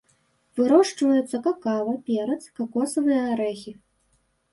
Вырошчваюцца какава, перац, какосавыя арэхі.